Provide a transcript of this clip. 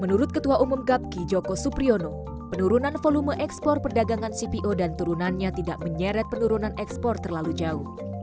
menurut ketua umum gapki joko supriyono penurunan volume ekspor perdagangan cpo dan turunannya tidak menyeret penurunan ekspor terlalu jauh